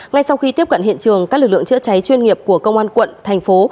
ngay sau khi tiếp cận hiện trường các lực lượng chữa cháy chuyên nghiệp của công an quận thành phố